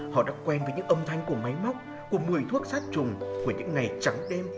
họ đã quen với những âm thanh của máy móc của một mươi thuốc sát trùng của những ngày trắng đêm